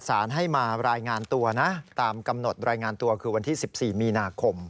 สารให้มารายงานตัวนะตามกำหนดรายงานตัวคือวันที่๑๔มีนาคม